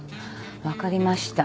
分かりました。